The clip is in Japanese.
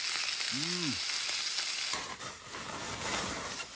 「うん！」